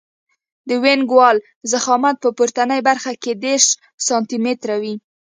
د وینګ وال ضخامت په پورتنۍ برخه کې دېرش سانتي متره وي